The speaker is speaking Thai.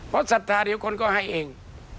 เพราะศรัทธาเดี๋ยวคนก็ให้เอง